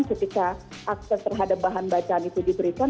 ketika akses terhadap bahan bacaan itu diberikan